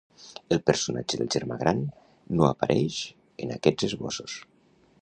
El personatge del germà gran no apareix en aquests esbossos.